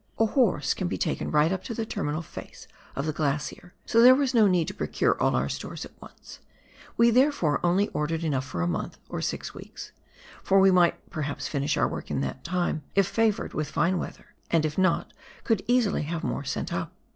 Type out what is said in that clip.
A horse can be taken right up to the terminal face of the glacier, so there was no need to procure all our stores at once, we therefore only ordered enough for a month or six weeks, for we might perhaps finish our work in that time if favoured with fine weather, and if not could easily have more sent up.